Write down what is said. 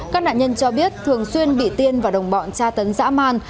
các nạn nhân cho biết thường xuyên bị tiên và đồng bọn tra tấn dã man